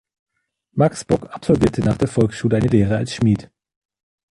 Max Bock absolvierte nach der Volksschule eine Lehre als Schmied.